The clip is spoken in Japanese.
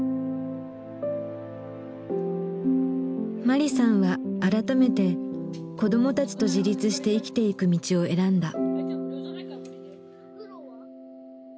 マリさんは改めて子どもたちと自立して生きていく道を選んだ。